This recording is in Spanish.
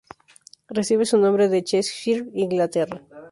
Recibe su nombre de Cheshire, Inglaterra.